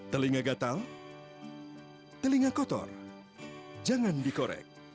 telinga gatal telinga kotor jangan dikorek